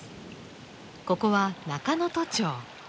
ここは中能登町。